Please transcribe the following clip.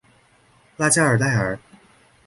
拉加尔代尔。